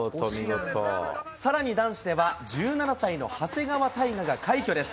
さらに男子では、１７歳の長谷川帝勝が快挙です。